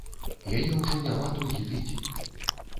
Яе ўжо няма другі тыдзень.